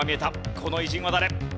この偉人は誰？